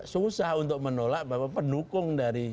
susah untuk menolak bahwa pendukung dari